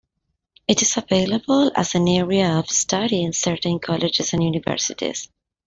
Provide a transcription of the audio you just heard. It is available as an area of study in certain colleges and universities.